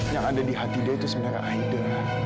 yang ada di hati dia itu sebenarnya ide